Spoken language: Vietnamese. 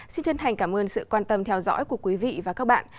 xin chân thành cảm ơn sự quan tâm theo dõi của quý vị và các bạn